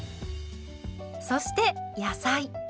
そして野菜。